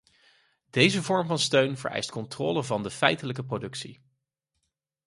Deze vorm van steun vereist controle van de feitelijke productie.